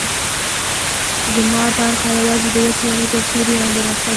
زما برخه یوازې د وچې ونې تر سیوري لاندې ناسته ده.